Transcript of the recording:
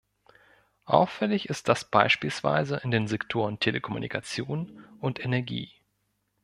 Auffällig ist das beispielsweise in den Sektoren Telekommunikation und Energie.